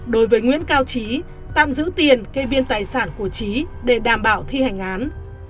đối với nguyễn cao trí tạm giữ tiền kê biên tài sản của trí để đảm bảo thi hành án